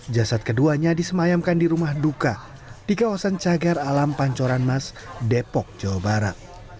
jasad keduanya disemayamkan di rumah duka di kawasan cagar alam pancoran mas depok jawa barat